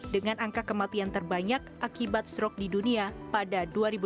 dengan angka kematian terbanyak akibat strok di dunia pada dua ribu dua puluh